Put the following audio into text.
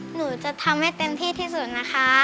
หนูจะทำให้เต็มที่ที่สุดนะคะ